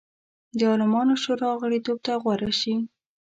د عالمانو شورا غړیتوب ته غوره شي.